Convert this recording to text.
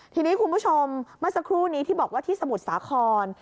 ทีนี้คุณผู้ชมเมื่อสักครู่นี้ที่บอกว่าที่สมุทรสาคร